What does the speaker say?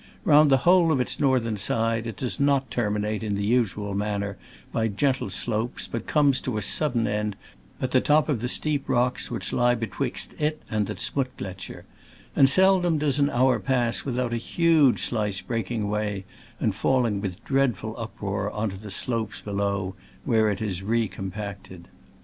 Round the whole of its northern side it does not terminate in the usual manner by gentle slopes, but comes to a sudden end at the top of the steep rocks which lie be twixt it and the Z'muttgletscher ; and seldom does an hour pass without a huge slice breaking away and falling with dreadful uproar on to the slopes below, where it is re compacted.